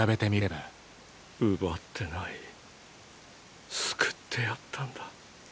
奪ってない救ってやったんだ。